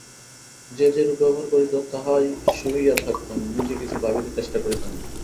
যে যেরূপ ব্যবহার করিত তাহাই সহিয়া থাকিতাম, নিজে কিছু ভাবিতে চেষ্টা করিতাম না।